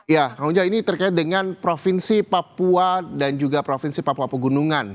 ya kang ujang ini terkait dengan provinsi papua dan juga provinsi papua pegunungan